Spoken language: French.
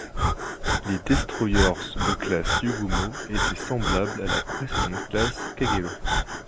Les destroyers de classe Yugumo étaient semblables à la précédente classe Kagerō.